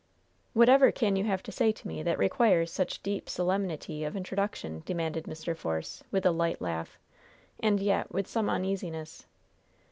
"Whatever can you have to say to me that requires such deep solemnity of introduction?" demanded Mr. Force, with a light laugh, and yet with some uneasiness.